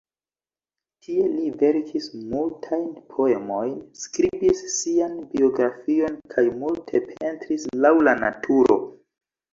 Tie li verkis multajn poemojn, skribis sian biografion kaj multe pentris laŭ la naturo.